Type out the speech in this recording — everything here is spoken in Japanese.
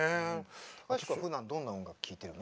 隆子はふだんどんな音楽聴いてるの？